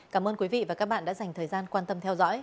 cảm ơn quý vị và các bạn đã dành thời gian quan tâm theo dõi